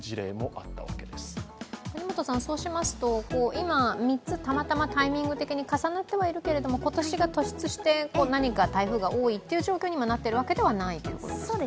今、３つたまたまタイミング的に重なってはいるけれども、今年が突出して何か台風が多いという状況になってるわけではないということですか。